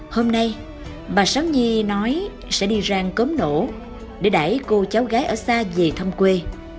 hôm nay bà sáng nhi nói sẽ đi rang cốm nổ để đẩy cô cháu gái ở xa về thăm quê